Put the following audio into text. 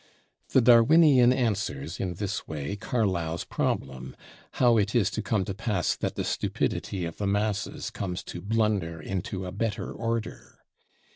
The Darwinian answers in this way Carlyle's problem, how it is to come to pass that the stupidity of the masses comes to blunder into a better order?